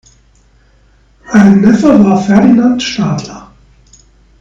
Ein Neffe war Ferdinand Stadler.